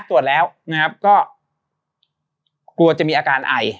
ตรวจแล้วนะครับก็กลัวจะมีอาการไอ